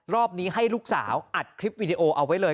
รอบนี้ให้ลูกสาวอัดคลิปวิดีโอเอาไว้เลย